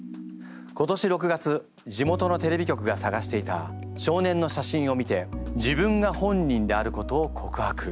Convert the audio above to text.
今年６月地元のテレビ局がさがしていた少年の写真を見て自分が本人であることを告白。